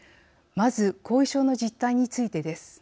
まず、後遺症の実態についてです。